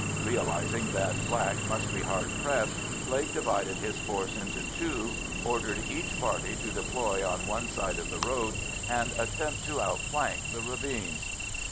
Realising that Black must be hard pressed, Blake divided his force into two, ordered each party to deploy on one side of the road and attempt to outflank the ravines.